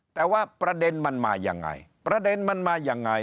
แต่ว่าประเด็นมันมายังไงประเด็นมันมายังไง